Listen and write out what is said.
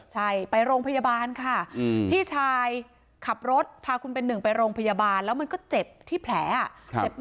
ใช่ไปโรงพยาบาลค่ะพี่ชายขับรถพาคุณเป็นหนึ่งไปโรงพยาบาลแล้วมันก็เจ็บที่แผล